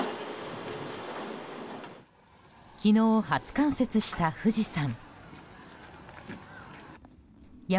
昨日、初冠雪した富士山。